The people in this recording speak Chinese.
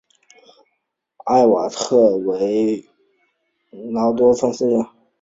艾奥瓦镇区为美国堪萨斯州多尼芬县辖下的镇区。